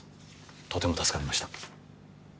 とても助かりました